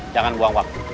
jangan buang waktu